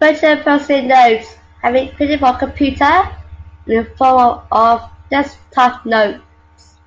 Virtual Post-It notes have been created for computer in the form of desktop notes.